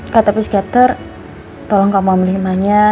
kata psikiater tolong kamu ambil hikmahnya